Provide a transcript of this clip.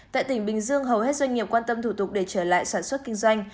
tại tỉnh bình dương hầu hết doanh nghiệp quan tâm thủ tục để trở lại sản xuất kinh doanh